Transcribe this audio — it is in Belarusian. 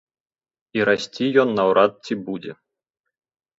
І расці ён наўрад ці будзе.